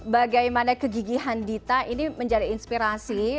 bagaimana kegigihan dita ini menjadi inspirasi